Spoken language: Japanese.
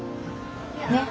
ねっ。